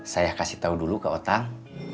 saya kasih tahu dulu ke otang